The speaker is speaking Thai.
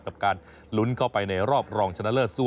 กับการลุ้นเข้าไปในรอบรองชนะเลิศสู้